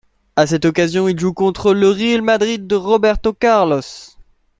À cette occasion il joue contre le Real Madrid de Roberto Carlos.